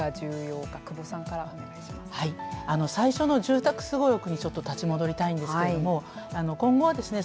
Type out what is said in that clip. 最初の住宅すごろくにちょっと立ち戻りたいんですけれども今後はですね